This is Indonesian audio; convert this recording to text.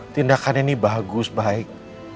tindakan ini bagus baik